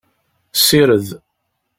Sired.